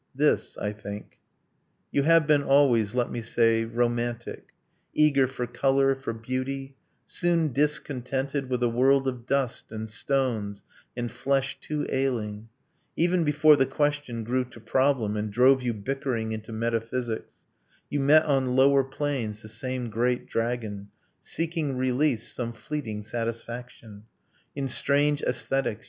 This, I think. You have been always, let me say, "romantic," Eager for color, for beauty, soon discontented With a world of dust and stones and flesh too ailing: Even before the question grew to problem And drove you bickering into metaphysics, You met on lower planes the same great dragon, Seeking release, some fleeting satisfaction, In strange aesthetics